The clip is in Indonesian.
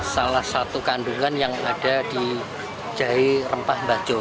salah satu kandungan yang ada di jahe rempah bajo